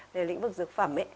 về lĩnh vực dược phẩm